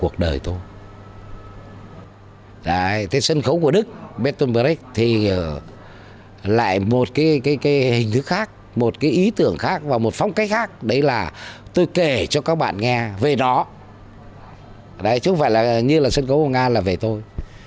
chứ không phải là như là sân khấu của nga là về tôi